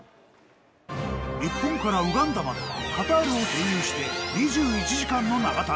日本からウガンダまでカタールを経由して２１時間の長旅。